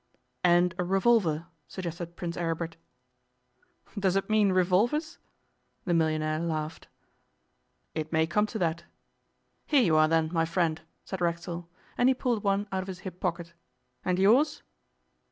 'And a revolver?' suggested Prince Aribert. 'Does it mean revolvers?' The millionaire laughed. 'It may come to that.' 'Here you are, then, my friend,' said Racksole, and he pulled one out of his hip pocket. 'And yours?